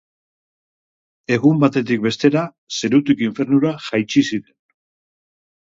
Egun batetik bestera, zerutik infernura jaitsi ziren.